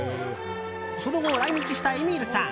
その後、来日したエミールさん。